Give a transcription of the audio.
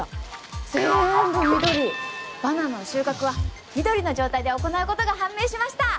バナナの収穫は緑の状態で行うことが判明しました！